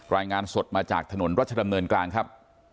รายงานสดมาจากถนนรัชดำเนินกลางครับ